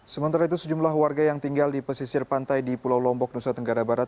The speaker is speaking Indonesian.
sementara itu sejumlah warga yang tinggal di pesisir pantai di pulau lombok nusa tenggara barat